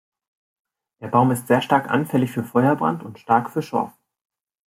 Der Baum ist sehr stark anfällig für Feuerbrand und stark für Schorf.